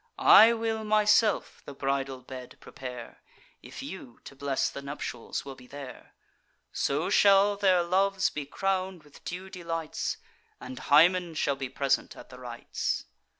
I will myself the bridal bed prepare, If you, to bless the nuptials, will be there: So shall their loves be crown'd with due delights, And Hymen shall be present at the rites."